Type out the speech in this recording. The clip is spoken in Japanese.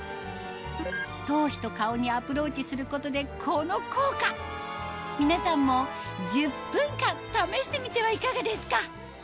頭皮と顔にアプローチすることでこの効果皆さんも１０分間試してみてはいかがですか？